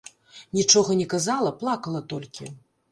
Нічога не казала, плакала толькі.